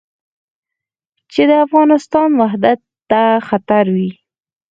چې د افغانستان وحدت ته خطر وي.